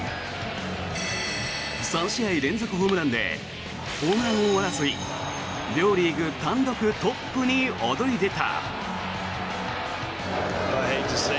３試合連続ホームランでホームラン王争い両リーグ単独トップに躍り出た。